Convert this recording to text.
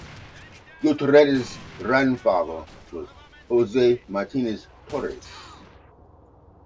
Gutierrez grandfather was Jose Martinez Torres.